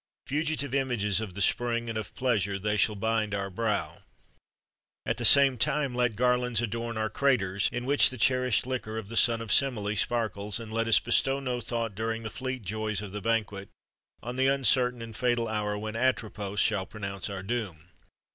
[XXXV 56] Fugitive images of the spring and of pleasure, they shall bind our brows.[XXXV 57] At the same time let garlands adorn our craters, in which the cherished liquor of the son of Semele sparkles;[XXXV 58] and let us bestow no thought, during the fleet joys of the banquet, on the uncertain and fatal hour when Atropos shall pronounce our doom."